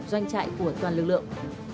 doanh trại của toàn lực lượng